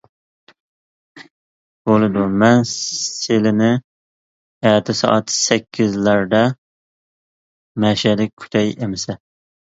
— بولىدۇ، مەن سىلىنى ئەتە سائەت سەككىزلەردە مەشەدە كۈتەي ئەمىسە.